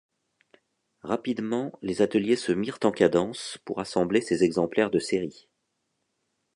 Rapidement les ateliers se mirent en cadence pour assembler ces exemplaires de série.